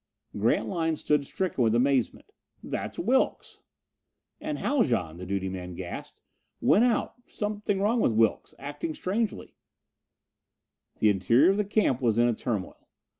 Grantline stood stricken with amazement. "That's Wilks!" "And Haljan," the duty man gasped. "Went out something wrong with Wilks acting strangely " The interior of the camp was in a turmoil.